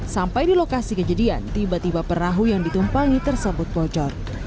sampai di lokasi kejadian tiba tiba perahu yang ditumpangi tersebut bocor